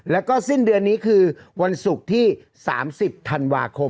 แล้วก็สิ้นเดือนนี้คือวันศุกร์ที่๓๐ธันวาคม